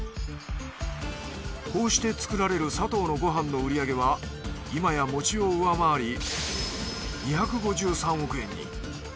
こうして作られるサトウのごはんの売り上げは今や餅を上回り２５３億円に。